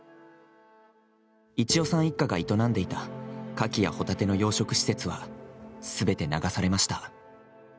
一代さん一家が営んでいたカキやホタテの養殖施設は全て流されました。